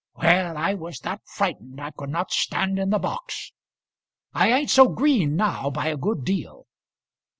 Well, I was that frightened, I could not stand in the box. I ain't so green now by a good deal."